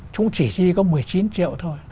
chúng chỉ đi có một mươi chín triệu thôi